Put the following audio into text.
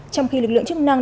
trong khi lực lượng chức năng